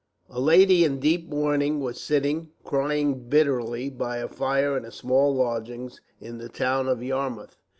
A lady in deep mourning was sitting, crying bitterly, by a fire in small lodgings in the town of Yarmouth.